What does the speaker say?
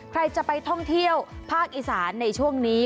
ใครจะไปท่องเที่ยวภาคอีสานในช่วงนี้